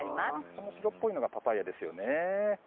この白っぽいのがパパイアですよね。